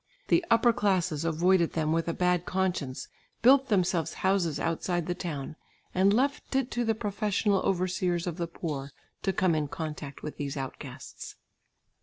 The upper classes avoided them with a bad conscience, built themselves houses outside the town, and left it to the professional over seers of the poor to come in contact with these outcasts.